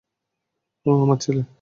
ও আমার ছেলে!